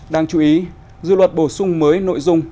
đáng chú ý dự luật bổ sung mới nội dung